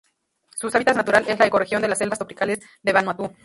Sus hábitat natural es la ecorregión de las selvas tropicales de Vanuatu.